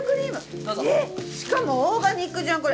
しかもオーガニックじゃんこれ。